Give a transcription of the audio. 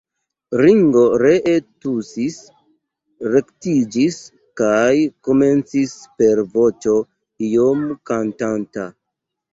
Ringo ree tusis, rektiĝis kaj komencis per voĉo iom kantanta.